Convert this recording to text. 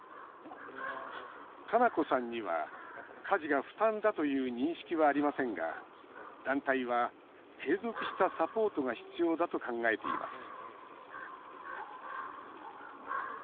かなこさんには家事が負担だという認識はありませんが団体は継続したサポートが必要だと考えています